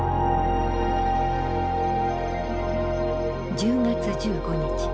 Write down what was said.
１０月１５日。